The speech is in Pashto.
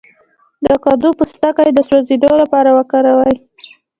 د کدو پوستکی د سوځیدو لپاره وکاروئ